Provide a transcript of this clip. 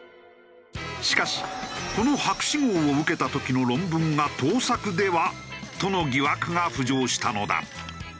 しかしこの博士号を受けた時の論文が盗作では？との疑惑が浮上したのだ。